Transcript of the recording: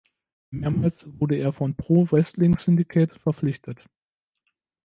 Mehrmals wurde er von "Pro Wrestling Syndicate" verpflichtet.